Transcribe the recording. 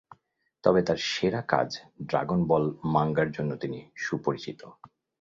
তবে তার সেরা কাজ ড্রাগন বল মাঙ্গার জন্য তিনি সুপরিচিত।